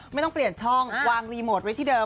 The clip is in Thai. ไม่ต้องเปลี่ยนช่องวางรีโมทไว้ที่เดิ